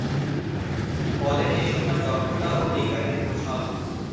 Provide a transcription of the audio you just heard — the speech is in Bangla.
বলেন এসব তার দক্ষতা ও বিজ্ঞানের কৌশল।